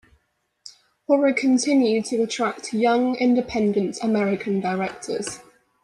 Horror continued to attract young, independent American directors.